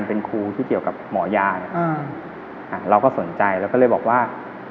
เป็นครูที่เกี่ยวกับหมอยานะครับเราก็สนใจแล้วก็เลยบอกว่า